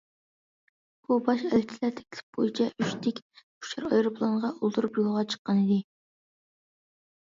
بۇ باش ئەلچىلەر تەكلىپ بويىچە ئۈچ تىك ئۇچار ئايروپىلانغا ئولتۇرۇپ يولغا چىققانىدى.